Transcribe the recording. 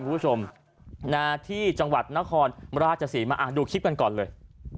คุณผู้ชมที่จังหวัดนครราชศรีมาดูคลิปกันก่อนเลย